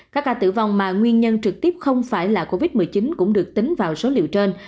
các ca tử vong mà nguyên nhân trực tiếp không phải là covid một mươi chín cũng được tính vào số liệu trên